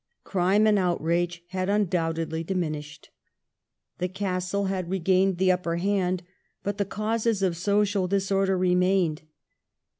Crime and outrage had undoubtedly dimin ished. The Castle had regained the upper hand ; but the causes of social disorder remained.